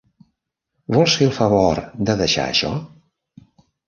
Vols fer el favor de deixar això?